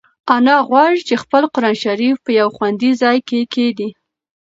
انا غواړي چې خپل قرانشریف په یو خوندي ځای کې کېږدي.